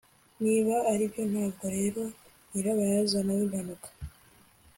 niba aribyo, ntabwo rero nyirabayazana wimpanuka